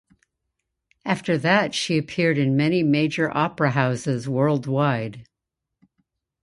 After that she appeared in many major opera houses worldwide.